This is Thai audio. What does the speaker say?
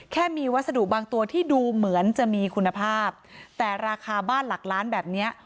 มีวัสดุบางตัวที่ดูเหมือนจะมีคุณภาพแต่ราคาบ้านหลักล้านแบบเนี้ย